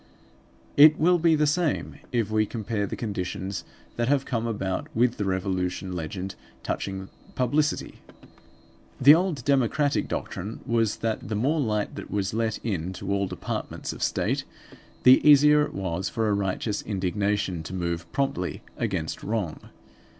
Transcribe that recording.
It will be the same if we compare the conditions that have come about with the Revolution legend touching publicity. The old democratic doctrine was that the more light that was let in to all departments of State, the easier it was for a righteous indignation to move promptly against wrong.